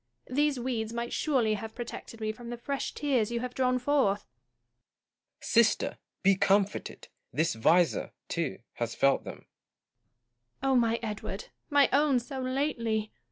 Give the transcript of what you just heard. These weeds might surely have protected me from the fresh tears you have drawn forth. Gaunt. Sister, be comforted ! this visor, too, has felt them. Joanna. my Edward ! my own so lately